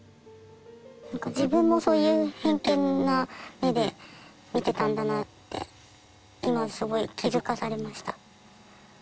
自分もそういう偏見な目で見てたんだなって今すごい気付かされました。